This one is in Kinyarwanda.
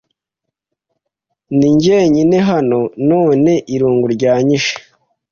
Ndi jyenyine hano, none irungu ryanyishe?